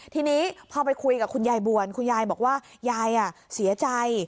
ทีนี้พอไปคุยกับคุณยายบวนคุณยายบอกว่ายายเสียใจ